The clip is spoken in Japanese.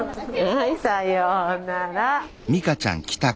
はいさようなら。